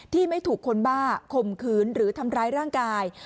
ที่ไม่ถูกคนบ้าข่มขืนหรือทำร้ายร่างกาย